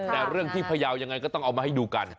แต่เรื่องที่พยาวยังไงก็ต้องเอามาให้ดูกัน